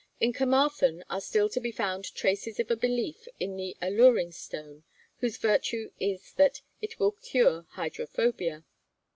In Carmarthen are still to be found traces of a belief in the Alluring Stone, whose virtue is that it will cure hydrophobia.